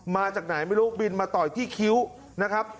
มาจากไหนไม่รู้บินมาต่อยที่คิ้วนะครับ